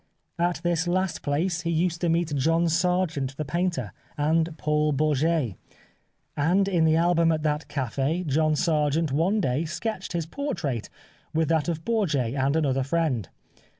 At this last place he used to meet John Sargent the painter, and Paul Bourget ; and in the album at that cafe John Sargent one day sketched his portrait with that of Bourget and another friend.